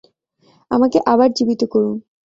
আমাকে আবার জীবিত করুন।